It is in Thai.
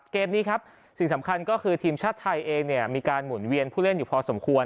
เกมนี้ครับสิ่งสำคัญก็คือทีมชาติไทยเองมีการหมุนเวียนผู้เล่นอยู่พอสมควร